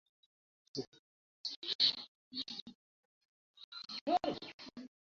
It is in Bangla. যাঁরা মানুষের সঙ্গে, দুর্বলের সঙ্গে নিষ্ঠুর আচরণ একেবারেই সমর্থন করেন না।